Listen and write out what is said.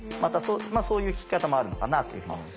そういう聞き方もあるのかなというふうに思いますね。